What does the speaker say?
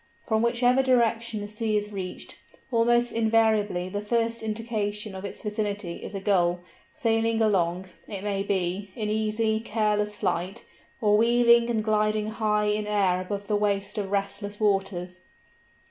From whichever direction the sea is reached, almost invariably the first indication of its vicinity is a Gull, sailing along, it may be, in easy, careless flight, or wheeling and gliding high in air above the waste of restless waters.